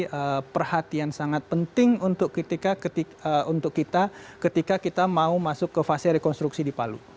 jadi perhatian sangat penting untuk kita ketika kita mau masuk ke fase rekonstruksi di palu